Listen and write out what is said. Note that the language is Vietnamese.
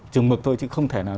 trừng mực thôi chứ không thể nào